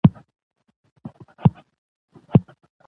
او کارونکو د زړورتیا له امله نومیالی و،